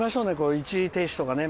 一時停止とか。